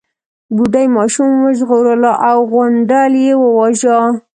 بوډۍ ماشوم وژغورلو او غونډل يې وواژه.